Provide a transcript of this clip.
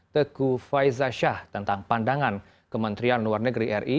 teguh faizah shah tentang pandangan kementerian luar negeri ri